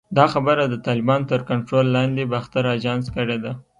دا خبره د طالبانو تر کنټرول لاندې باختر اژانس کړې ده